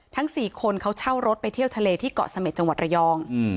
ทั้งสี่คนเขาเช่ารถไปเที่ยวทะเลที่เกาะสเมษจังหวัดระยอง